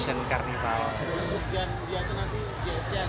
gfc agak turun begitu juga